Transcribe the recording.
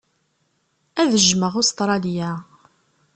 Ad jjmeɣ Ustṛalya.